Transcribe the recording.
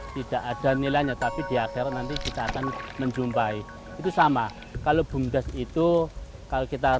tidak ada nilainya tapi di akhir nanti kita akan menjumpai itu sama kalau bumdes itu kalau kita